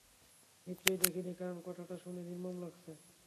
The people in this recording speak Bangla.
নিশ্চয়ই দেখিনি, কারণ কথাটা শুনে নির্মম লাগছে।